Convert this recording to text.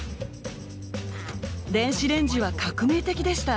電子レンジは革命的でした。